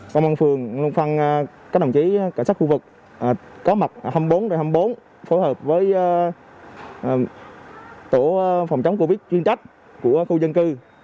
công an phường luôn phân các đồng chí cảnh sát khu vực có mặt hai mươi bốn hai mươi bốn phối hợp với tổ phòng chống covid chuyên trách của khu dân cư